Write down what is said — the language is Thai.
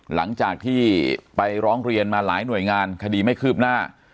หลังจากที่ไปร้องเรียนมาหลายหน่วยงานคดีไม่คืบหน้า